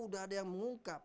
udah ada yang mengungkap